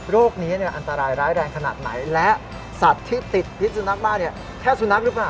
โรคนี้อันตรายร้ายแรงขนาดไหนและสัตว์ที่ติดพิษสุนัขบ้านแค่สุนัขหรือเปล่า